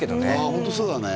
ホントそうだね